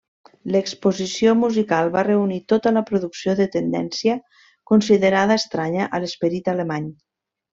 L'exposició musical va reunir tota la producció de tendència considerada estranya a l'esperit alemany.